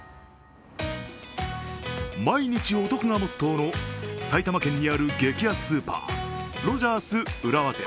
毎日お得がモットーの埼玉県にある激安スーパーロヂャース浦和店。